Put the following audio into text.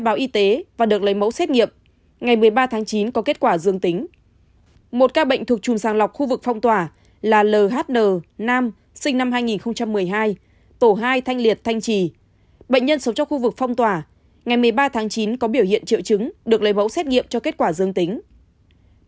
bệnh nhân sống trong khu vực phong tỏa ngày một mươi ba tháng chín có biểu hiện triệu chứng được lấy mẫu xét nghiệm cho kết quả dương tính